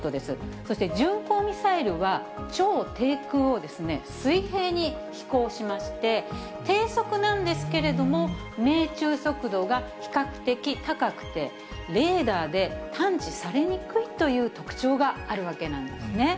そして巡航ミサイルは、超低空を水平に飛行しまして、低速なんですけれども、命中速度が比較的高くて、レーダーで探知されにくいという特徴があるわけなんですね。